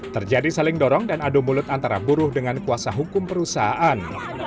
terjadi saling dorong dan adu mulut antara buruh dengan kuasa hukum perusahaan